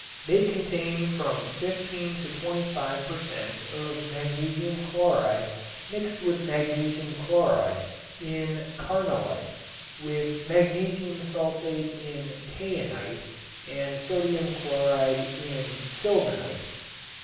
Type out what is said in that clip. They contain from fifteen to twenty five per cent. of magnesium chloride mixed with magnesium chloride in "carnallite," with magnesium sulfate in "kainite" and sodium chloride in "sylvinite."